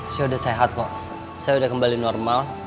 saya sudah sehat kok saya udah kembali normal